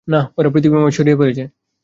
নাঃ, ওরা পৃথিবীময় ছড়িয়ে পড়েছে।